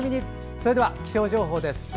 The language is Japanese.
それでは気象情報です。